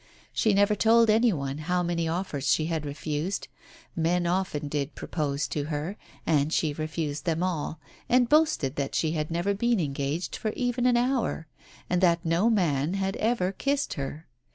She never told any one how many offers she had refused. Men often did propose to her, and she refused them all, and boasted that she had never been engaged for even an hour, and that no man had ever kissed her.